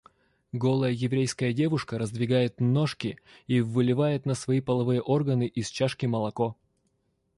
Голая еврейская девушка раздвигает ножки и выливает на свои половые органы из чашки молоко.